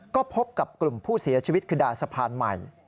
ก็พบกับกลุ่มผู้เสียชีวิตคือด่านสะพานใหม่